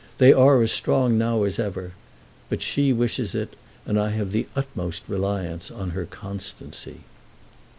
They are as strong now as ever. But she wishes it, and I have the utmost reliance on her constancy."